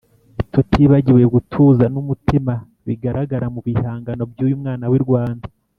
tutibagiwe gutuza n'umutima bigaragara mu bihangano by'uyu mwana w'i Rwanda.